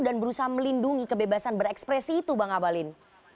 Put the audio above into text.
dan berusaha melindungi kebebasan berekspresi itu bang abalin